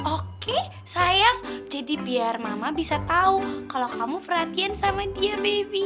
oke sayang jadi biar mama bisa tahu kalau kamu perhatian sama dia baby